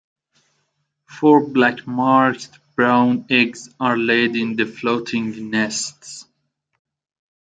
Four black-marked brown eggs are laid in the floating nests.